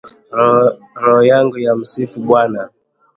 Roho yangu yamsifu Bwana.